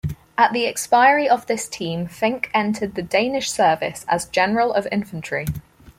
At the expiry of this term Finck entered Danish service as general of infantry.